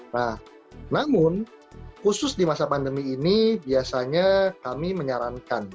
nah namun khusus di masa pandemi ini biasanya kami menyarankan